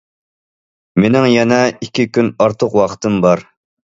مېنىڭ يەنە ئىككى كۈن ئارتۇق ۋاقتىم بار.